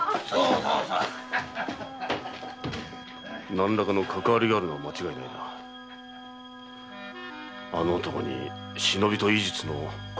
何らかのかかわりがあるのは間違いないがあの男に忍びと医術の心得があるとは思えん。